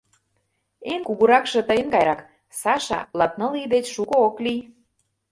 Эн кугуракше тыйын гайрак, Саша, латныл ий деч шуко ок лий...